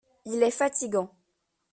Il est fatigant.